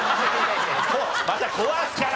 また壊すから！